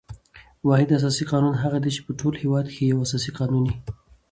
واحد اساسي قانون هغه دئ، چي په ټول هیواد کښي یو اساسي قانون يي.